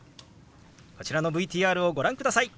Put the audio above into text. こちらのＶＴＲをご覧ください。